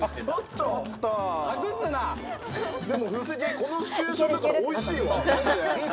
このシチュエーションだからおいしいわ。